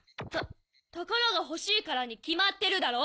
たからがほしいからにきまってるだろ！